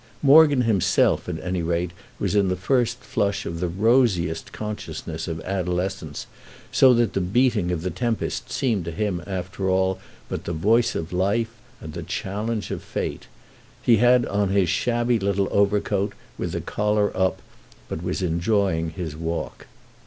Morgan himself at any rate was in the first flush of the rosiest consciousness of adolescence, so that the beating of the tempest seemed to him after all but the voice of life and the challenge of fate. He had on his shabby little overcoat, with the collar up, but was enjoying his walk.